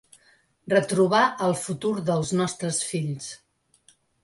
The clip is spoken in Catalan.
Retrobar el futur dels nostres fills.